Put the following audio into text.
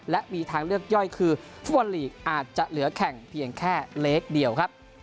และมีทางเลือกย่อยคือฟุตบอลลีกอาจจะเหลือแข่งเพียงแค่เล็กเดียวครับ